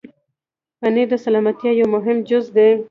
پنېر د سلامتیا یو مهم جز دی.